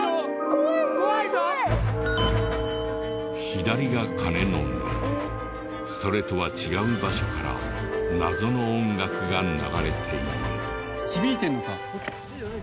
左が鐘の音それとは違う場所から謎の音楽が流れている。